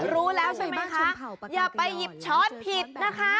รู้แล้วใช่ไหมคะอย่าไปหยิบช้อนผิดนะคะ